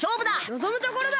のぞむところだ！